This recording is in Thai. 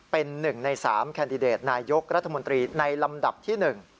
เป็น๑ใน๓แคนดิเดตนายกรัฐมนตรีในลำดับที่๑